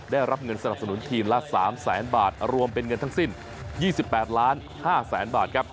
ได้รับเงินสนับสนุนทีมละ๓แสนบาทรวมเป็นเงินทั้งสิ้น๒๘๕๐๐๐๐บาทครับ